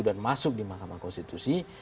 dan masuk di mahkamah konstitusi